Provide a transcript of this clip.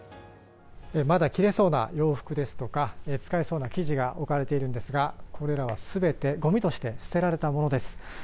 まだ着れそうな洋服ですとか使えそうな生地が置かれているんですがこれらは全てゴミとして捨てられたものです。